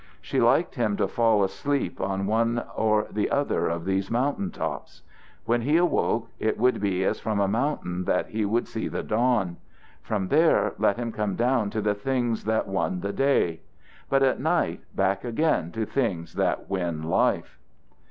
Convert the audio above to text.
She liked him to fall asleep on one or the other of these mountain tops. When he awoke, it would be as from a mountain that he would see the dawn. From there let him come down to the things that won the day; but at night back again to things that win life.